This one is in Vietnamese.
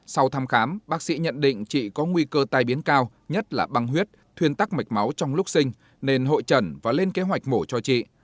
sau thăm khám bác sĩ nhận định chị có nguy cơ tai biến cao nhất là băng huyết thuyên tắc mạch máu trong lúc sinh nên hội trần và lên kế hoạch mổ cho chị